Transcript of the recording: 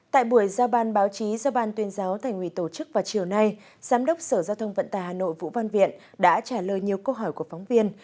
tại buổi giao ban báo chí do ban tuyên giáo thành ủy tổ chức vào chiều nay giám đốc sở giao thông vận tài hà nội vũ văn viện đã trả lời nhiều câu hỏi của phóng viên